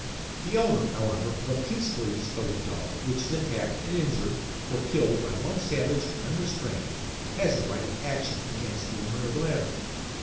The owner, however, of a peaceably disposed dog which is attacked and injured, or killed, by one savage and unrestrained, has a right of action against the owner of the latter.